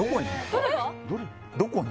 どこに？